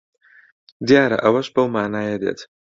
دیارە ئەوەش بەو مانایە دێت